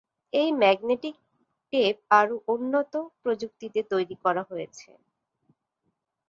এই magnetic tape আরও উন্নত প্রযুক্তিতে তৈরি করা হয়েছে।